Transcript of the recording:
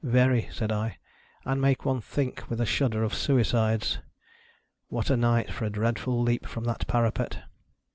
" Very," said I, " and make one think with a shudder of Suicides. What a night for a dreadful leap from that parapet